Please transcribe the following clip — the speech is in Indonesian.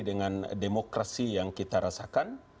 dengan demokrasi yang kita rasakan